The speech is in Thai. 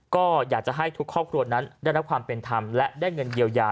ก็อยากจะให้ทุกครอบครัวนั้นได้รับความเป็นธรรมและได้เงินเยียวยา